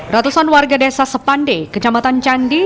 ratusan warga desa sepande kecamatan candi